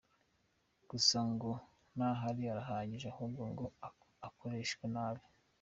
Gusa ngo n’ahari arahagije ahubwo ngo akoreshwa nabi.